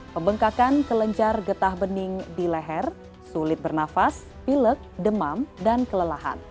pembengkakan kelenjar getah bening di leher sulit bernafas pilek demam dan kelelahan